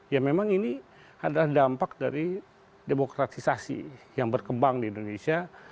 ya memang ini adalah dampak dari demokratisasi yang berkembang di indonesia